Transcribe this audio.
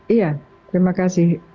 iya terima kasih